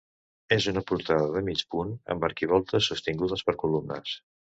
És una portada de mig punt amb arquivoltes sostingudes per columnes.